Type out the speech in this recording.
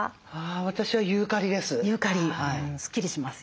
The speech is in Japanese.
私はユーカリです。